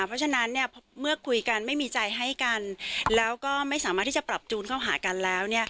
เพราะฉะนั้นเมื่อคุยกันไม่มีใจให้กันแล้วก็ไม่สามารถที่จะปรับจูนเข้าหากันแล้ว